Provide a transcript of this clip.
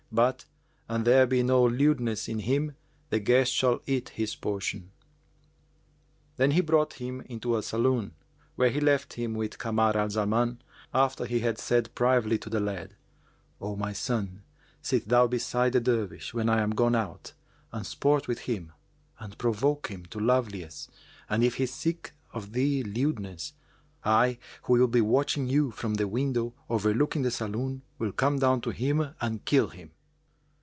But, an there be no lewdness in him, the guest shall eat his portion." Then he brought him into a saloon, where he left him with Kamar al Zaman, after he had said privily to the lad, "O my son, sit thou beside the Dervish when I am gone out and sport with him and provoke him to love liesse and if he seek of thee lewdness, I who will be watching you from the window overlooking the saloon will come down to him and kill him."